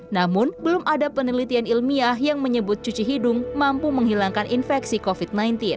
namun belum ada penelitian ilmiah yang menyebut cuci hidung mampu menghilangkan infeksi covid sembilan belas